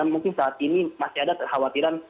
mungkin saat ini masih ada kekhawatiran